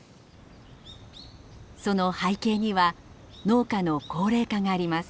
その背景には農家の高齢化があります。